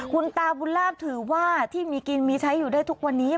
คุณตาบุญลาบถือว่าที่มีกินมีใช้อยู่ได้ทุกวันนี้